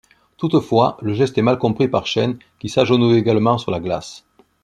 Toutefois, le geste est mal compris par Shen qui s'agenouille également sur la glace.